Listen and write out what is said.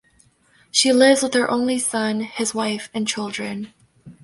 She lives with her only son, his wife and children.